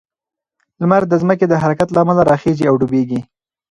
لمر د ځمکې د حرکت له امله راخیژي او ډوبیږي.